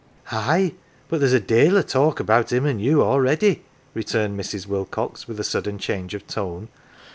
" Aye, but there's a dale o' talk about him an' you already." returned Mrs. Wilcox with a sudden change of tone.